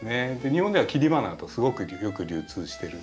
日本では切り花とすごくよく流通してる植物です。